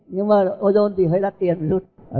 nhưng mà ozone thì hơi đắt tiền quá